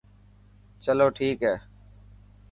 چلو ٺيڪ هي.